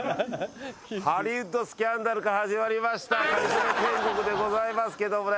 ハリウッドスキャンダルから始まりました『かりそめ天国』でございますけどもね。